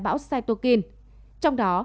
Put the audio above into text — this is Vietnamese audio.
bão cytokine trong đó